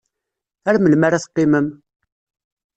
Ar melmi ara teqqimem?